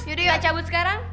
kita cabut sekarang